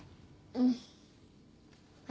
うん。